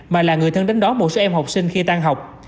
mà là người thân đến đó một số em học sinh khi tan học